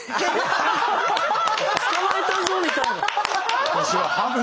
捕まえたぞみたいな。